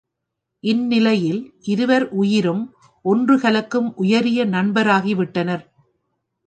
இந்நிலையில் இருவர் உயிரும் ஒன்று கலக்கும் உயரிய நண்பராகிவிட்டனர்.